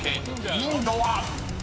［インドは⁉］